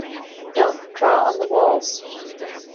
Don't draw on the walls.